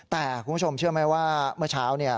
แต่คุณผู้ชมเชื่อไหมว่าเมื่อเช้าเนี่ย